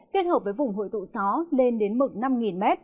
kết hợp với vùng hội tụ gió lên đến mực năm m